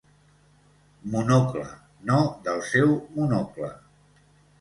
Monocle, no del seu Monocle.